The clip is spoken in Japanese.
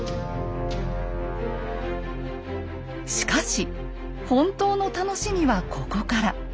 しかし本当の楽しみはここから。